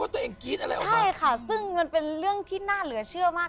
ใช่ค่ะซึ่งมันเป็นเรื่องที่น่าเหลือเชื่อมาก